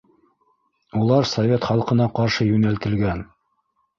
Улар совет халҡына ҡаршы йүнәлтелгән!